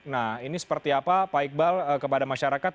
nah ini seperti apa pak iqbal kepada masyarakat